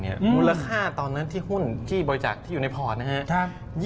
มูลค่าตอนนั้นที่หุ้นกี้บริจาคที่อยู่ในพรนะฮะ